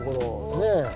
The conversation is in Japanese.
ねえ。